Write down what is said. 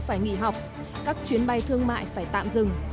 phải nghỉ học các chuyến bay thương mại phải tạm dừng